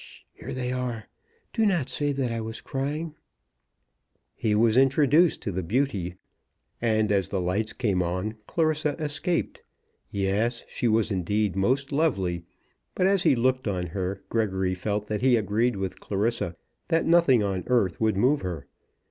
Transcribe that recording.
H sh . Here they are. Do not say that I was crying." He was introduced to the beauty, and as the lights came, Clarissa escaped. Yes; she was indeed most lovely; but as he looked on her, Gregory felt that he agreed with Clarissa that nothing on earth would move her.